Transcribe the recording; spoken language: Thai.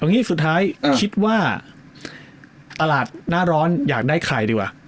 งี้สุดท้ายคิดว่าตลาดหน้าร้อนอยากได้ไข่ดีกว่า